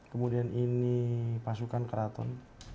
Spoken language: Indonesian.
kemudian ini pasukan keraton